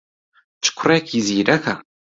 چ کوڕێکی زیرەکە!